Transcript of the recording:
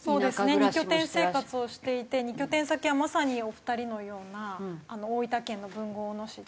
２拠点生活をしていて２拠点先はまさにお二人のような大分県の豊後大野市で。